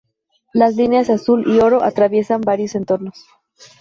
Las líneas azul y oro atraviesan varios entornos.